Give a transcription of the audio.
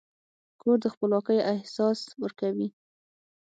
کور د خپلواکۍ احساس ورکوي.